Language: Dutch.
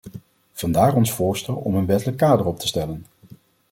Vandaar ons voorstel om een wettelijk kader op te stellen.